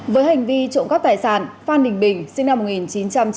với hành vi trộm các tài sản phan đình bình sinh năm một nghìn chín trăm chín mươi tám